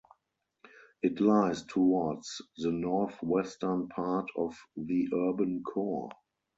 It lies towards the northwestern part of the urban core.